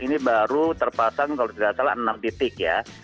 ini baru terpasang kalau tidak salah enam titik ya